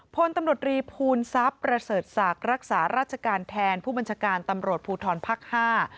พลตำรวจรีภูลทรัพย์ประเสริฐศักดิ์รักษาราชการแทนผู้บัญชาการตำรวจภูทรภาคห้า